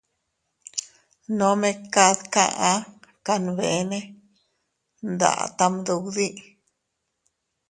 Nome kad kaʼa kanbene nda tam duddi.